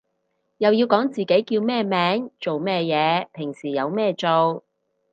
又要講自己叫咩名做咩嘢平時有咩做